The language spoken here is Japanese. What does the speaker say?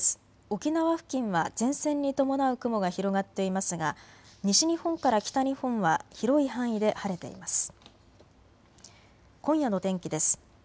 沖縄付近は前線に伴う雲が広がっていますが西日本から北日本は広い範囲で晴れています。